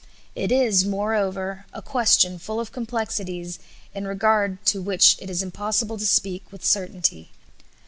It is, moreover, a question full of complexities in regard to which it is impossible to speak with certainty.